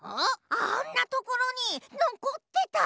あんなところにのこってた！